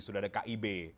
sudah ada kib